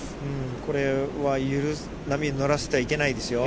これは波に乗らせてはいけないですよ。